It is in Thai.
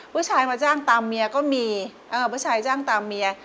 ผู้ชายมาจ้างตามเมียก็มีผู้ชายจ้างตามเมีย